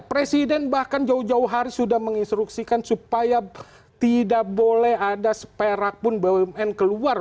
presiden bahkan jauh jauh hari sudah menginstruksikan supaya tidak boleh ada seperak pun bumn keluar